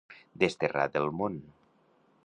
Desterrar del món.